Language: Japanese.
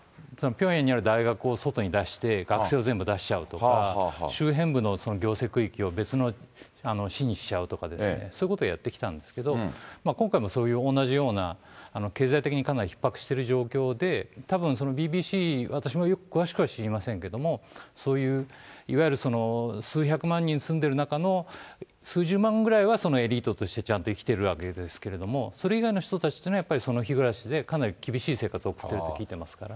ピョンヤンにある大学を外に出して、学生を全部出しちゃうとか、周辺部の行政区域を別の市にしちゃうとかですね、そういうことやってきたんですけど、今回もそういう同じような経済的にかなりひっ迫している状況で、たぶんそのＢＢＣ、私もよく詳しくは知りませんけれども、そういう、いわゆるその数百万人住んでいる中の、数十万ぐらいはエリートとしてちゃんと生きてるわけですけれども、それ以外の人たちっていうのは、やっぱりその日暮らしで、かなり厳しい生活を送ってると聞いてますから。